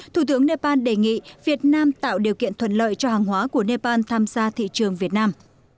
thủ tướng nepal đề nghị việt nam tạo điều kiện thuận lợi cho hàng hóa của nepal tham gia thị trường việt nam